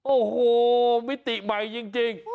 โอ้โหมิติใหม่จริง